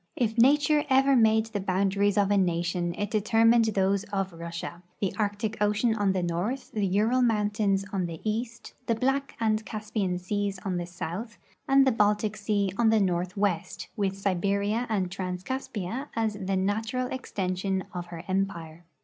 If nature ever made the boundaries of a nation, it determined those of Russia — the Arctic ocean on the north, the Ural mountains on the east, the Black and Caspian seas on the south, and the Baltic sea on the northwest, with Siberia and Trans Caspia as the natural extension of her empire.